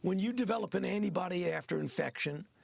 ketika anda mengembangkan antibodi setelah infeksi